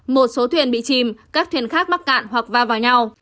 một số thuyền bị chìm các thuyền khác mắc cạn hoặc va vào nhau